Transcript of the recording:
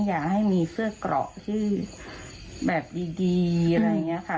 อยากให้มีเสื้อกรอกชื่อแบบดีอะไรอย่างนี้ค่ะ